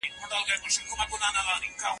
ولې حکومت د ځنګلونو پرې کول نه بندوي؟